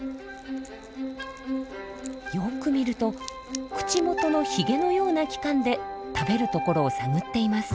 よく見ると口元のヒゲのような器官で食べる所を探っています。